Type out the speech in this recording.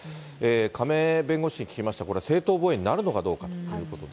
亀井弁護士に聞きました、これ、正当防衛になるのかどうかということで。